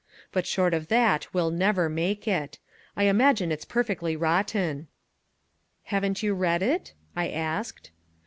But short of that we'll never make it. I imagine it's perfectly rotten." "Haven't you read it?" I asked.